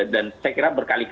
dan saya kira berkali kali